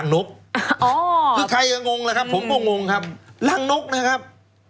รังนกอ๋อคือใครก็งงนะครับผมก็งงครับรังนกนะครับ